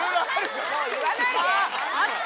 もう言わないで。